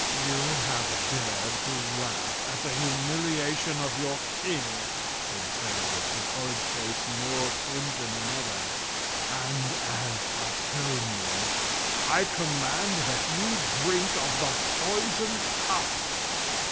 "You have dared to laugh at the humiliation of your king," said Terribus, his horrid face more crimson than ever, "and as atonement I command that you drink of the poisoned cup."